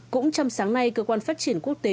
cũng trong sáng nay cơ quan phát triển quốc tế